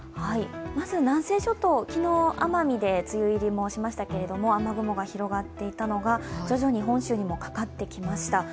まず南西諸島、昨日、奄美で梅雨入りもしましたけれども、雨雲が広がっていたのが徐々に本州にもかかってきました。